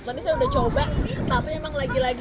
ternyata saya sudah coba tapi memang lagi lagi